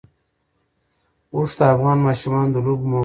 اوښ د افغان ماشومانو د لوبو موضوع ده.